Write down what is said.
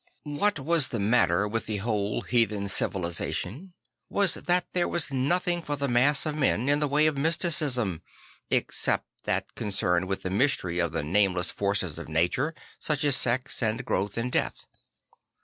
What was the matter with the \vhole heathen civilisation was that there was nothing for the mass of men in the way of mysticism, except that concerned with the mystery of the nameless forces of nature, such as sex and growth and death.